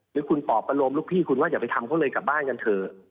หรือคุณปอบประโลมลูกพี่คุณว่าอย่าไปทำเขาเลยกลับบ้านกันเถอะ